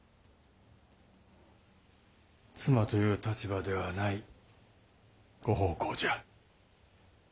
妻という立場ではないご奉公じゃ。